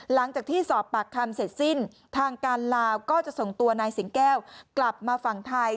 หลังจากที่สอบปากคำเสร็จสิ้นทางการลาวก็จะส่งตัวนายสิงแก้วกลับมาฝั่งไทย